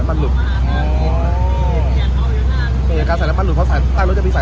สวัสดีครับคุณผู้ชาย